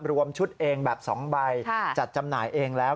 รวมชุดเองแบบ๒ใบจัดจำหน่ายเองแล้ว